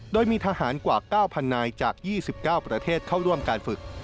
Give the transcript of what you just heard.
โดยมีทหารกว่า๙๐๐นายจาก๒๙ประเทศเข้าร่วมการฝึก